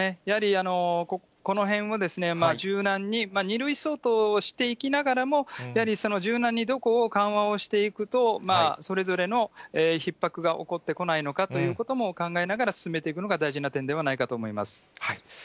やはり、このへんは、柔軟に、２類相当をしていきながらも、やはり柔軟にどこを緩和をしていくと、それぞれのひっ迫が起こってこないのかということも考えながら、進めていくのが大事な点ではないかと思います。